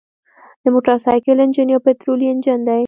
د موټرسایکل انجن یو پطرولي انجن دی.